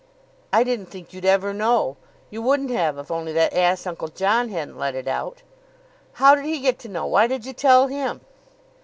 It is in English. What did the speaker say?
"I didn't think you'd ever know. You wouldn't have if only that ass Uncle John hadn't let it out." "How did he get to know? Why did you tell him?"